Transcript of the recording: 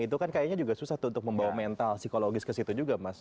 itu kan kayaknya juga susah tuh untuk membawa mental psikologis ke situ juga mas